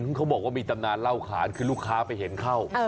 เขาบอกว่ามีตำนานเล่าขานคือลูกค้าไปเห็นเข้า